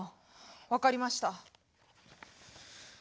分かりました。